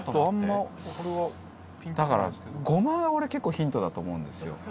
だから「ごま」が俺結構ヒントだと思うんですよ。